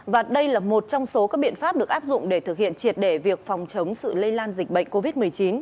và đây là một trong số các biện pháp được áp dụng để thực hiện triệt để việc phòng chống sự lây lan dịch bệnh covid một mươi chín